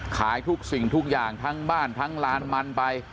ขายทุกสิ่งทุกอย่างทั้งบ้านทั้งลานมันไป